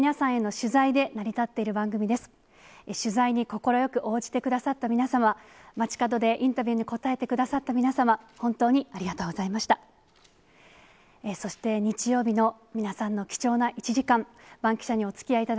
取材に快く応じてくださった皆様、街角でインタビューに応えてくださった皆様、本当にありがとうございました。